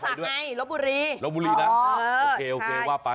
เคือนป่าศักดิ์ไงลบบุรีอ๋อโอเคว่าไป